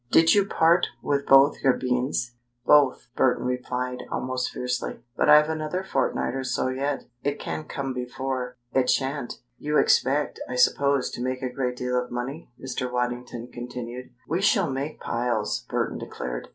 Did you part with both your beans?" "Both," Burton replied, almost fiercely. "But I've another fortnight or so yet. It can't come before it shan't!" "You expect, I suppose, to make a great deal of money?" Mr. Waddington continued. "We shall make piles," Burton declared.